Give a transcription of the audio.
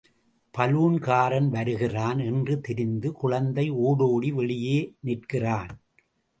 பலூன்காரன் வருகிறான்! என்று தெரிந்து குழந்தை ஓடோடி வெளியே நிற்கிறான்.